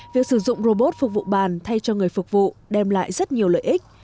việc sử dụng robot phục vụ bàn thay cho người phục vụ đem lại rất nhiều lợi ích